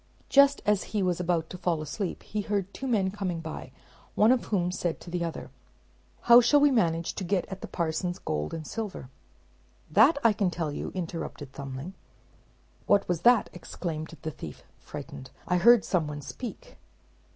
Just as he was about to fall asleep he heard two men coming by, one of whom said to the other, "How shall we manage to get at the parson's gold and silver?" "That I can tell you," interrupted Thumbling. "What was that?" exclaimed the thief, frightened. "I heard some one speak."